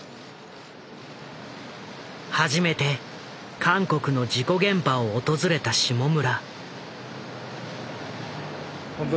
初めて韓国の事故現場を訪れた下村。